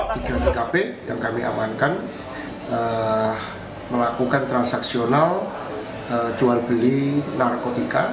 tiga tkp yang kami amankan melakukan transaksional jual beli narkotika